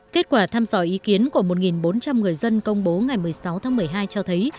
kết quả thăm dò ý kiến của một bốn trăm linh người dân công bố ngày một mươi sáu tháng một mươi hai cho thấy